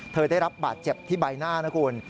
ได้รับบาดเจ็บที่ใบหน้านะคุณ